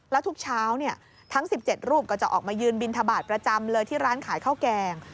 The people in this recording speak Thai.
แล้วทุกเช้าทั้ง๑๗รูปก็จะออกมายืนบินทบาทประจำเลยที่ร้านขายข้าวแกง